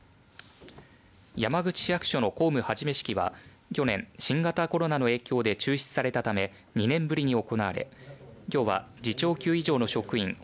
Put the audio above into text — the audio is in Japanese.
山口市役所の公務始め式は去年、新型コロナの影響で中止されたため２年ぶりに行われきょうは次長級以上の職員